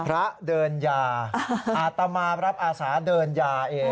พระเดินยาอาตมารับอาสาเดินยาเอง